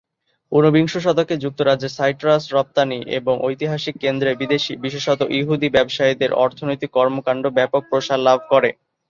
ঊনবিংশ শতকে যুক্তরাজ্যে সাইট্রাস রপ্তানি এবং ঐতিহাসিক কেন্দ্রে বিদেশি, বিশেষত ইহুদি ব্যবসায়ীদের অর্থনৈতিক কর্মকাণ্ড ব্যাপক প্রসার লাভ করে।